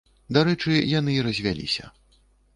Дарэчы, яны і развяліся.